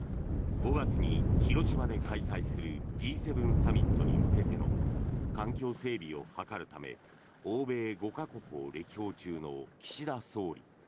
５月に広島で開催するＧ７サミットに向けての環境整備を図るため欧米５か国を歴訪中の岸田総理。